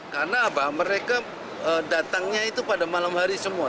karena mereka datangnya itu pada malam hari semua